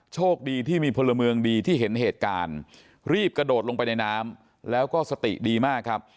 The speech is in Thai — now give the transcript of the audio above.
โชคดีที่มีพลเมืองดีที่เห็นเหตุการณ์รีบกระโดดลงไปในน้ำแล้วก็สติดีมากครับ